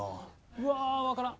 うわわからん！